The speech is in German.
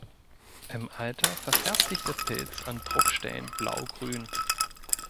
Im Alter verfärbt sich der Pilz an Druckstellen blaugrün.